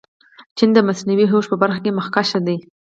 چین د مصنوعي هوش په برخه کې مخکښ دی.